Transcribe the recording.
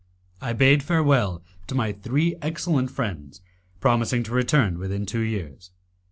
I bade farewell to my three excellent friends, promising to return within two years.